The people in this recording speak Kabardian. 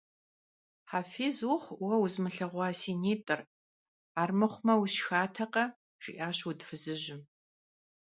Hefiz vuxhui vue vuzımılheğua si nit'ır, armıxhume, vusşşxatekhe, – jji'aş vud fızıjım.